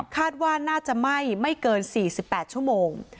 คาดว่าน่าจะไหม้ไม่เกิน๔๘ชั่วโมง